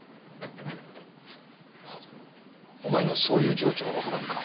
あっお前にはそういう情緒がわからんか。